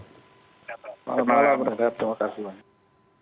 selamat malam reza terima kasih banyak